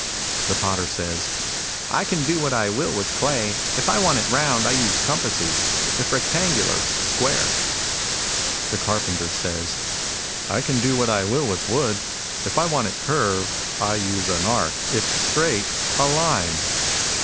The potter says :" I can do what I will with clay. If I want it round, I use compasses ; if rectangular, a square." NATURAL mSTINCTS 67 The caxpenter says :" I can do what I will with wood. If I want it curved, I use an arc ; if straight, a line."